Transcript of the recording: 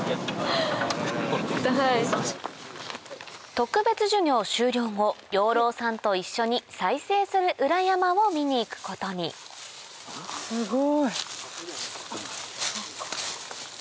特別授業終了後養老さんと一緒に再生する裏山を見に行くことにすごい。